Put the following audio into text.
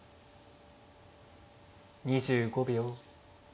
２５秒。